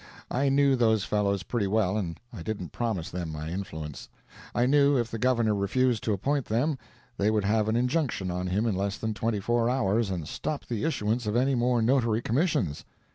I knew those fellows pretty well and I didn't promise them my influence. I knew if the Governor refused to appoint them, they would have an injunction on him in less than twenty four hours, and stop the issuance of any more Notary commissions.